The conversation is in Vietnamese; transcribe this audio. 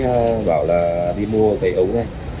tác sĩ bảo là đi mua cây ống này